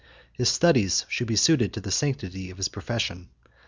His studies should be suited to the sanctity of his profession.